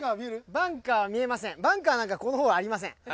バンカーなんかこのホールありません。